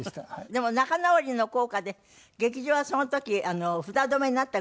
でも仲直りの効果で劇場はその時札止めになったぐらいですって？